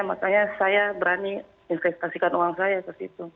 makanya saya berani investasikan uang saya ke situ